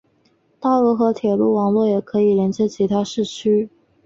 道路和铁路网络也可以连接其他市区。